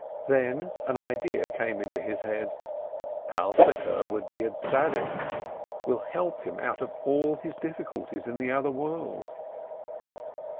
Then an idea came into his head : Alterke will be a Tzaddik, will help him out of all his difficulties in the other world.